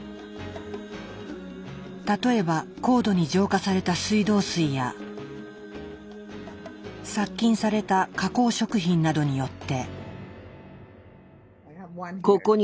例えば高度に浄化された水道水や殺菌された加工食品などによって。